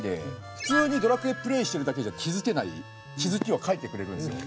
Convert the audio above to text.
普通に『ドラクエ』プレーしてるだけじゃ気付けない気付きを描いてくれるんですよ。